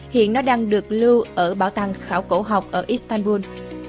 hiện nó đang được lưu ở bảo tàng khảo cổ học ở istanbul